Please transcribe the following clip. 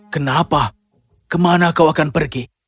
kenapa kemana kau akan pergi